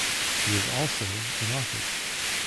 He was also an author.